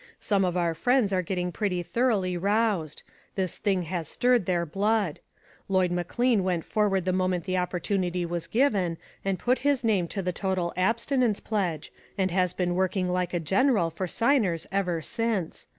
Some of our friends are getting pretty thoroughly roused ; this thing has stirred their blood. Lloyd McLean went forward the moment the opportunity was given, and put his name to the total abstinence pledge, and he has been working like a general for signers ever since.